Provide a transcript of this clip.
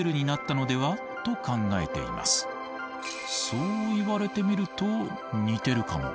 そう言われてみると似てるかも。